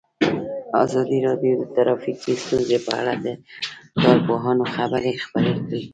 ازادي راډیو د ټرافیکي ستونزې په اړه د کارپوهانو خبرې خپرې کړي.